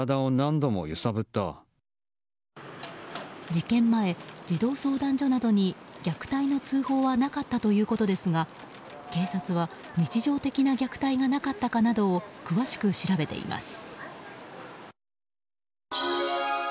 事件前、児童相談所などに虐待の通報はなかったということですが警察は日常的な虐待がなかったかなどを詳しく調べています。